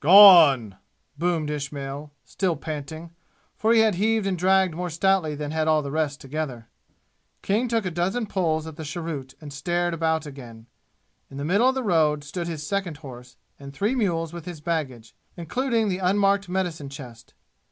"Gone!" boomed Ismail, still panting, for he had heaved and dragged more stoutly than had all the rest together. King took a dozen pulls at the cheroot and stared about again. In the middle of the road stood his second horse, and three mules with his baggage, including the unmarked medicine chest.